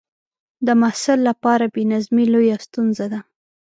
د محصل لپاره بې نظمي لویه ستونزه ده.